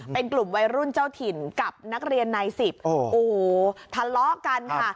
เป็นกลุ่มวัยรุ่นเจ้าถิ่นกับนักเรียนนายสิบโอ้โหทะเลาะกันค่ะ